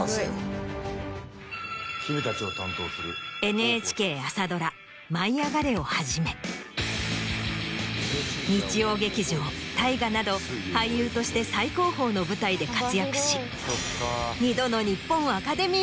ＮＨＫ朝ドラ『舞いあがれ！』をはじめ日曜劇場大河など俳優として最高峰の舞台で活躍し。